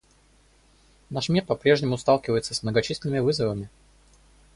Наш мир по-прежнему сталкивается с многочисленными вызовами.